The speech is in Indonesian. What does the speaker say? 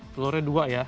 telurnya dua ya